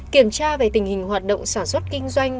kiểm tra về tình hình hoạt động sản xuất kinh doanh